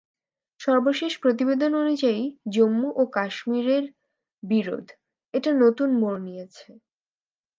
সর্বশেষ প্রতিবেদন অনুযায়ী, জম্মু ও কাশ্মিরের বিরোধ, একটা নতুন মোড় নিয়েছে।